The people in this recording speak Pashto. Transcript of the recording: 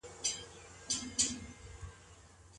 دوې ميرمني په خوی او رنګ کي سره يو شان وي؟